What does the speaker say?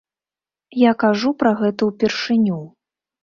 Я кажу пра гэта ўпершыню.